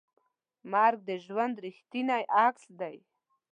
مرګ د ژوند ریښتینی عکس دی.